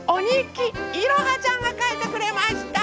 きいろはちゃんがかいてくれました。